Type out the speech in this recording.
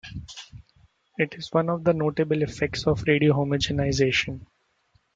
It is one of the notable effects of radio homogenization.